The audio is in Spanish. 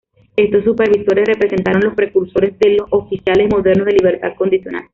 Estos "supervisores" representaron los precursores de los oficiales modernos de libertad condicional.